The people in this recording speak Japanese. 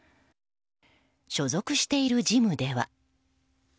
所属しているジムでは。